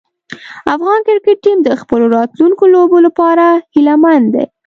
افغان کرکټ ټیم د خپلو راتلونکو لوبو لپاره هیله مند دی.